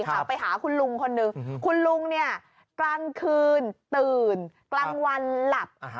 ไปหาคุณลุงคนนึงคุณลุงเนี่ยกลางคืนตื่นกลางวันหลับ